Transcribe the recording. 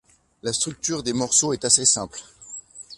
La structure des morceaux est assez simple.